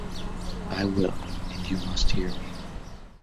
I will, and you must hear me.